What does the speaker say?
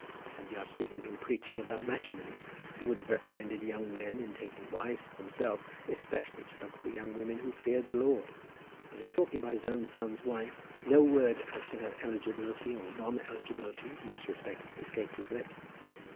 Had the archdeacon been preaching about matrimony, he would have recommended young men, in taking wives to themselves, especially to look for young women who feared the Lord. But in talking about his own son's wife, no word as to her eligibility or non eligibility in this respect escaped his lips.